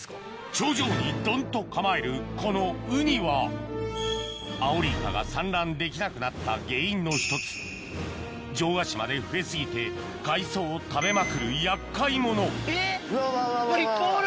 頂上にドンと構えるこのウニはアオリイカが産卵できなくなった原因の１つ城ヶ島で増え過ぎて海藻を食べまくる厄介者・えっいっぱいおる！